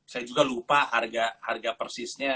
saya juga lupa harga persisnya